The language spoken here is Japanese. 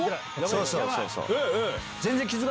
そうそうそうそう。